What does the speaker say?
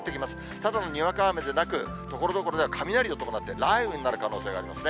ただのにわか雨でなく、ところどころで雷を伴って、雷雨になる可能性がありますね。